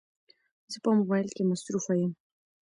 زه په موبایل کې مصروفه یم